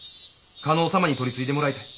加納様に取り次いでもらいたい。